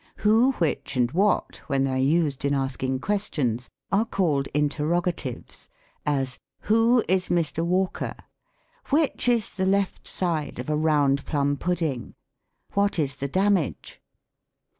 Who, ivhich, and what, when they are used in asking questions, are called Interrogati.ves ; as, " Who is Mr. Walker ?"" Which is the left side of a round plum pudding ?"'" What is the damage